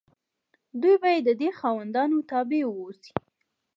دوی باید د دې خاوندانو تابع واوسي.